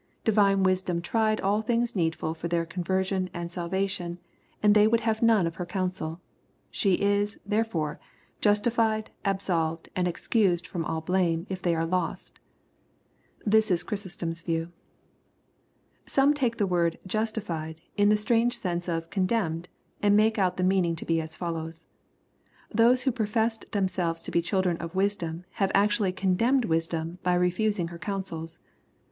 Divine wisdom tried all things needful for their conversion and salvation, and they would have none of her counseL She is, ^ therefore, justified, absolved and excused &om all bhme, if they arc lost'* This is Chrysostom*s view. Some take the word "justified " in the strange seiise of " con demned," and make out the meaning to be as follows. " Those who professed themselves to be chil4ren of wisdom have actually condemned wisdom, by refusing her counsels.